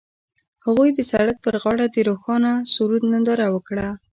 هغوی د سړک پر غاړه د روښانه سرود ننداره وکړه.